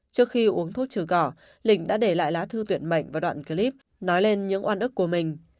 trước khi uống thuốc trừ cỏ lỉnh đã để lại lá thư tuyệt mệnh và đoạn clip nói lên những oan ức của mình